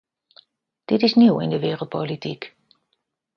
Dit is nieuw in de wereldpolitiek.